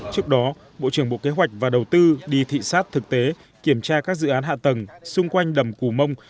trước đó bộ trưởng bộ kế hoạch và đầu tư đi thị xát thực tế kiểm tra các dự án hạ tầng xung quanh đầm cù mông